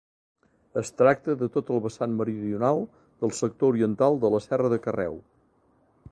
Es tracta de tot el vessant meridional del sector oriental de la Serra de Carreu.